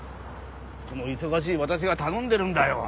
この忙しい私が頼んでるんだよ。